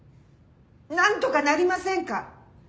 なんとかなりませんか？